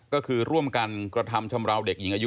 ก็คือร่วมกันกระทำชำราวเด็กหญิงอายุ